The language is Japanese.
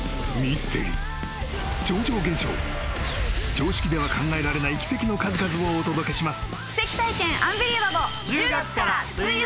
［常識では考えられない奇跡の数々をお届けします］